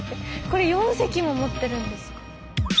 これ４隻も持ってるんですか。